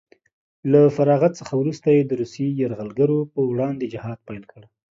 له فراغت څخه وروسته یې د روسیې یرغلګرو په وړاندې جهاد پیل کړ